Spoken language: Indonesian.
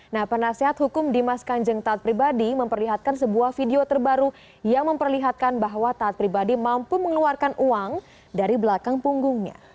nah penasehat hukum dimas kanjeng taat pribadi memperlihatkan sebuah video terbaru yang memperlihatkan bahwa taat pribadi mampu mengeluarkan uang dari belakang punggungnya